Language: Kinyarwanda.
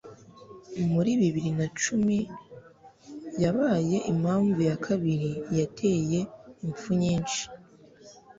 Muri bibiri na cumi yabaye impamvu ya kabiri yateye imfu nyinshi.